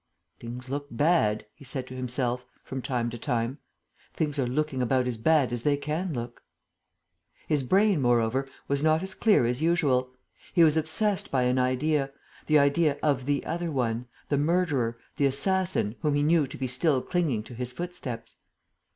"Things look bad," he said to himself, from time to time. "Things are looking about as bad as they can look." His brain, moreover, was not as clear as usual. He was obsessed by an idea, the idea of "the other one," the murderer, the assassin, whom he knew to be still clinging to his footsteps.